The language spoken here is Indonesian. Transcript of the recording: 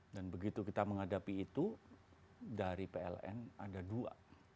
dan begitu kita menghadapi itu dari pln ada dua